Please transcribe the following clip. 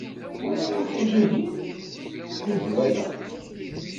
Twalaḍ iṭij-ihin? Ih walaɣ-t!